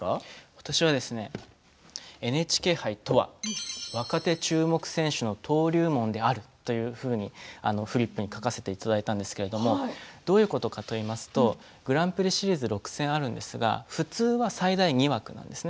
私はＮＨＫ杯とは若手注目選手の登竜門であるというふうにフリップに書かせていただいたんですけれどもどういうことかといいますとグランプリシリーズ６戦あるんですが普通は最大２枠なんですね。